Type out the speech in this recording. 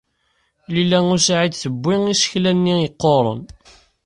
Lila u Saɛid tebbi isekla-nni yeqquren.